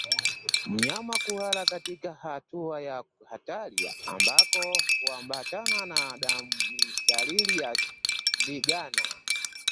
Mnyama kuhara katika hatua ya hatari ambako huambatana na damu ni dalili ya ndigana